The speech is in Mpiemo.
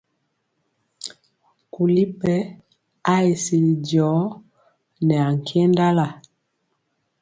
Kuli ɓɛ aa sili jɔɔ nɛ ankendala.